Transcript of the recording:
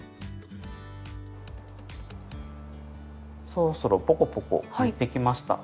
そろそろポコポコいってきました。